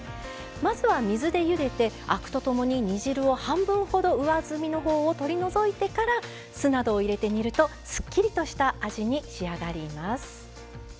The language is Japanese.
まずは水でゆでてアクとともに煮汁を半分ほど上澄みのほうを取り除いてから酢などを入れて煮るとすっきりとした味に仕上がります。